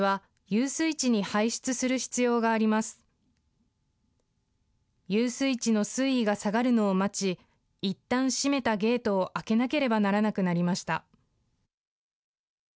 遊水地の水位が下がるのを待ち、いったん閉めたゲートを開けなければならなくなりました。